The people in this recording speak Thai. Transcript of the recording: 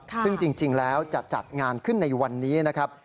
ซึ่งจริงแล้วจะจัดงานขึ้นในวันนี้นะครับ